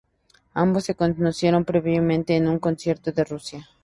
Ambos se conocieron previamente en un concierto en Rusia.